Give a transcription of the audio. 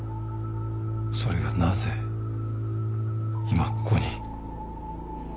それがなぜ今ここに？